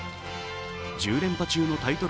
１０連覇中のタイトル